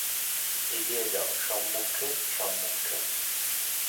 এগিয়ে যাও, সম্মুখে, সম্মুখে।